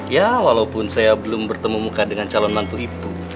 ya walaupun saya belum bertemu muka dengan calon mantu itu